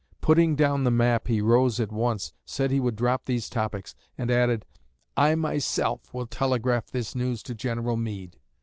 Putting down the map he rose at once, said he would drop these topics, and added, 'I myself will telegraph this news to General Meade.'